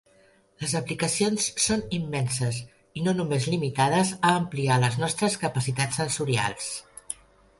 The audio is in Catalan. Les aplicacions són immenses i no només limitades a ampliar les nostres capacitats sensorials.